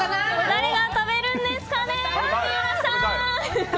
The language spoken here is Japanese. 誰が食べるんですかね